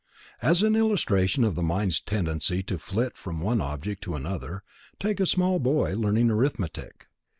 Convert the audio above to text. As an illustration of the mind's tendency to flit from one object to another, take a small boy, learning arithmetic.